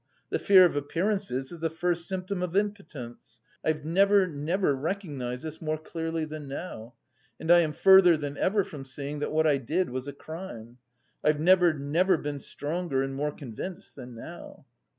The fear of appearances is the first symptom of impotence. I've never, never recognised this more clearly than now, and I am further than ever from seeing that what I did was a crime. I've never, never been stronger and more convinced than now."